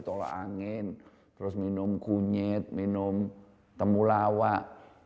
tolak angin terus minum kunyit minum temulawak